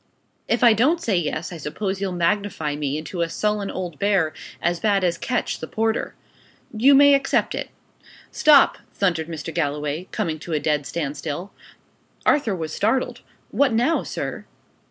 "If I don't say yes, I suppose you'd magnify me into a sullen old bear, as bad as Ketch, the porter. You may accept it. Stop!" thundered Mr. Galloway, coming to a dead standstill. Arthur was startled. "What now, sir?"